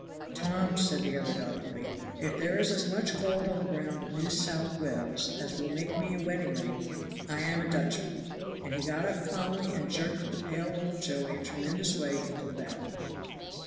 "Tom," said the other doggedly, "if there is as much gold on the ground of New South Wales as will make me a wedding ring I am a Dutchman;" and he got up calmly and jerked the pale old Joey a tremendous way into the valley.